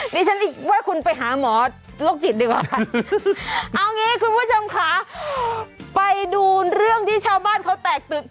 ดิฉันอีกว่าคุณไปหาหมอโรคจิตดีกว่าค่ะเอางี้คุณผู้ชมค่ะไปดูเรื่องที่ชาวบ้านเขาแตกตื่น